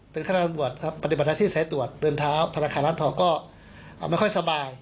เป็นคาดฯปฏิบัตินะที่ใสตรวจเดินเท้าธาลักษณ์ร้านทร์ก็ไม่ค่อยสบาย